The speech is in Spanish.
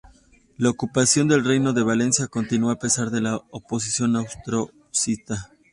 La ocupación del Reino de Valencia continuó a pesar de la oposición austracista.